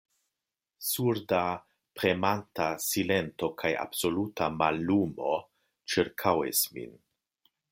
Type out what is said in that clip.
Surda, premanta silento kaj absoluta mallumo ĉirkaŭis min.